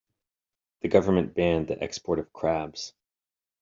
The government banned the export of crabs.